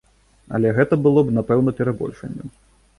Але гэта было б, напэўна, перабольшаннем.